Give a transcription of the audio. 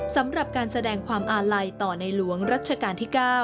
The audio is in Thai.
สำหรับการแสดงความอาลัยต่อในหลวงรัชกาลที่๙